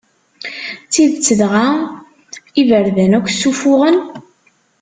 D tidet dɣa, iberdan akk ssufuɣen?